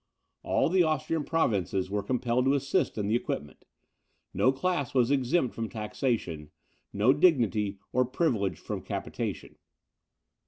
All the Austrian provinces were compelled to assist in the equipment. No class was exempt from taxation no dignity or privilege from capitation.